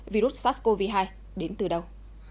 virus sars cov hai đến từ đâu